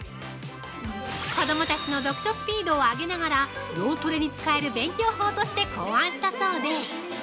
子供たちの読書スピードを上げながら脳トレに使える勉強法として考案したそうで◆